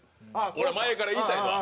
俺は前から言いたいのは。